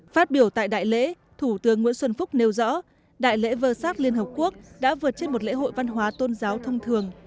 phát biểu tại đại lễ thủ tướng nguyễn xuân phúc nêu rõ đại lễ vơ sát liên hợp quốc đã vượt trên một lễ hội văn hóa tôn giáo thông thường